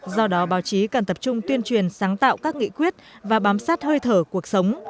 do đó báo chí cần tập trung tuyên truyền sáng tạo các nghị quyết và bám sát hơi thở cuộc sống